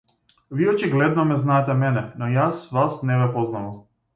Вие очигледно ме знаете мене, но јас вас не ве познавам.